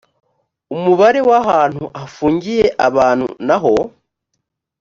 umubare w ahantu hafungiye abantu n aho